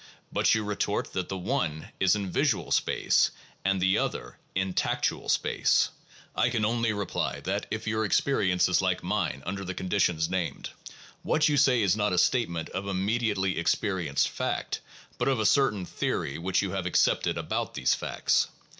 But you retort that the one is in visual space and the other in tactual space. I can only reply that, if your experience is like mine under the conditions named, what you say is not a statement of im mediately experienced fact, but of a certain theory which you have accepted about these facts.